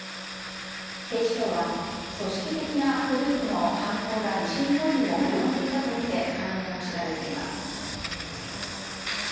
警視庁は組織的なグループの犯行が西日本にも及んでいたと見て、関連を調べています。